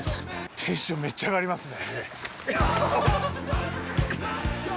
テンションメッチャ上がりますね